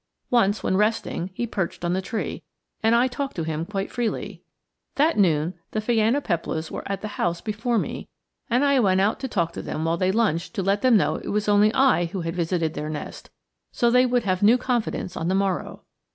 Once, when resting, he perched on the tree, and I talked to him quite freely. That noon the phainopeplas were at the house before me, and I went out to talk to them while they lunched to let them know it was only I who had visited their nest, so they would have new confidence on the morrow.